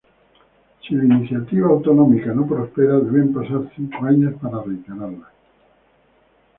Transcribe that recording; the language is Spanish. Si la iniciativa autonómica no prospera, deben pasar cinco años para reiterar.